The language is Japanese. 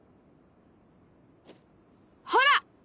ほら！